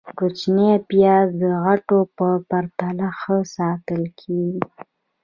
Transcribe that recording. - کوچني پیاز د غټو په پرتله ښه ساتل کېږي.